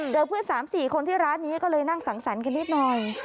เพื่อน๓๔คนที่ร้านนี้ก็เลยนั่งสังสรรค์กันนิดหน่อย